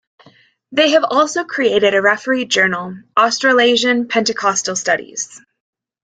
They have also created a refereed journal, "Australasian Pentecostal Studies".